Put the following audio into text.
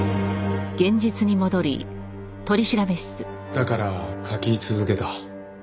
だから書き続けた。